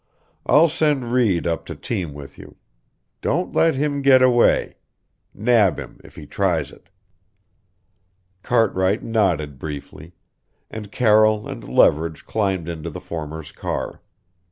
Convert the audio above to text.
"I'll send Reed up to team with you. Don't let him get away. Nab him if he tries it." Cartwright nodded briefly, and Carroll and Leverage climbed into the former's car.